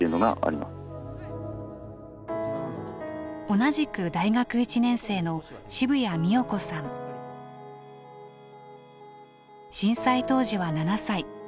同じく大学１年生の震災当時は７歳。